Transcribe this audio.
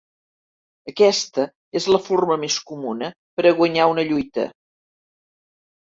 Aquesta és la forma més comuna per a guanyar una lluita.